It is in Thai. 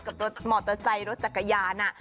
กับรถมอเตอร์ไซค์รถจักรยาน